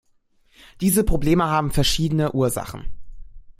Diese Probleme haben verschiedene Ursachen.